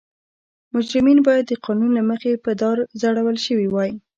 مجرمین باید د قانون له مخې په دار ځړول شوي وای.